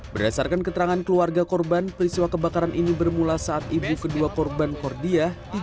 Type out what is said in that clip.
berdasarkan keterangan keluarga korban peristiwa kebakaran ini bermula saat ibu kedua korban kordiah